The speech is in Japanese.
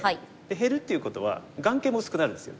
減るっていうことは眼形も薄くなるんですよ。